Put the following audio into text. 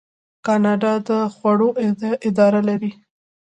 کاناډا د خوړو اداره لري.